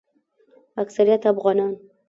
اکثریت افغانان